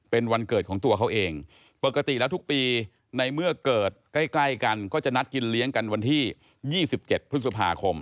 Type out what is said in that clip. เป็นวันเกิดของตัวเขาเองปกติแล้วทุกปีในเมื่อเกิดใกล้กันก็จะนัดกินเลี้ยงกันวันที่๒๗พฤษภาคม